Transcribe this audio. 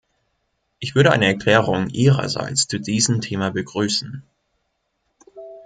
Ich würde eine Erklärung Ihrerseits zu diesem Thema begrüßen.